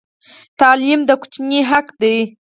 تعلیم د کوچني حق دی.